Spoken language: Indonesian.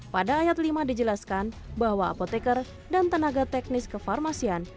pada ayat lima dijelaskan bahwa apoteker dan tenaga teknis kefarmasian